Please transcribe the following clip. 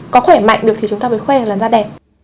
có khỏe mạnh được thì chúng ta phải khỏe là làm da đẹp